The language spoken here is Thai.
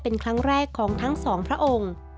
เป็นครั้งแรกของทั้งสองพระองค์